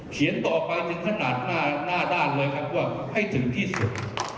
เขียนต่อไปถึงขณะหน้าด้านเลยแบบว่าให้ถึงที่สุด